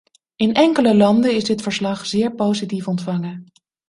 In enkele landen is dit verslag zeer positief ontvangen.